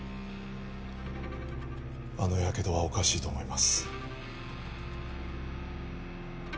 あのやけどはおかしいと思います